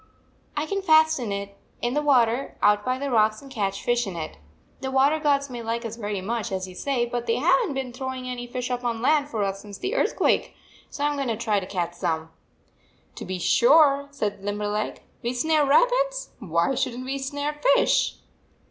I can fasten it in the water out by the rocks and catch fish in it. The water gods may like us very much, as you say, but they have n t been throwing any fish up on land for us since the earthquake, so I m going to try to catch some." 1 To be sure, said Limberleg. We snare rabbits, why shouldn t we snare fish?"